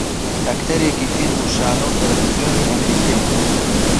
ئەکتەرێکی فیلم و شانۆ و تەلەڤیزیۆنی ئەمریکییە